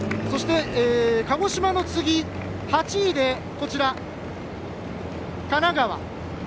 そして、鹿児島の次８位で神奈川。